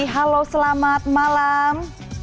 halo selamat malam